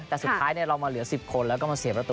แต่สุดท้ายเรามาเหลือ๑๐คนแล้วก็มาเสียประตู